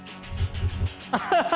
アハハハ！